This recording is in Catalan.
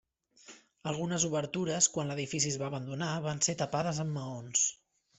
Algunes obertures, quan l'edifici es va abandonar, van ser tapades amb maons.